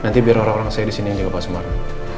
nanti biar orang orang saya disini yang jaga pak sumarno